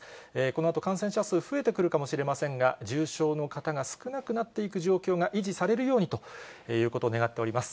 このあと感染者数、増えてくるかもしれませんが、重症の方が少なくなっていく状況が維持されるようにということを願っております。